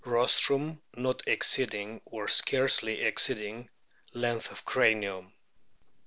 Rostrum not exceeding, or scarcely exceeding, length of cranium.